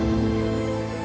aku jangan minta apa apa